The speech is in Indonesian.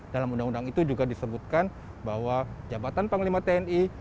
dalam undang undang itu juga disebutkan bahwa jabatan panglima tni